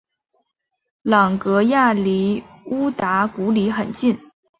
朗格亚离乌达古里很近。